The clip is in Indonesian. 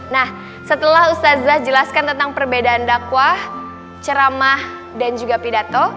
nah setelah ustadz zah jelaskan tentang perbedaan dakwah ceramah dan juga pidato